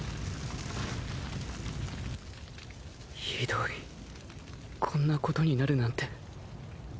ひどいこんなことになるなんて